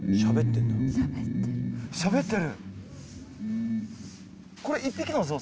しゃべってんだ。